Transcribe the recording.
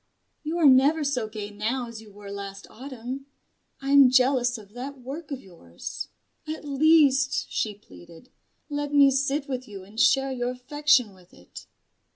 "You are never so gay now as you were last Autumn. I am jealous of that work of yours. At least," she pleaded, "let me sit with you and share your affection with it."